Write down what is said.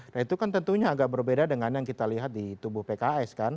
nah itu kan tentunya agak berbeda dengan yang kita lihat di tubuh pks kan